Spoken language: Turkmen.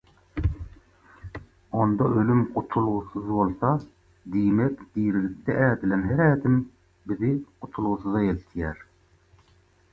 Onda, ölüm gutulgysyz bolsa, diýmek dirilikde ädilen her ädim bizi gutulgysyza eltýär